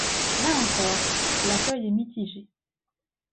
Là encore, l'accueil est mitigé.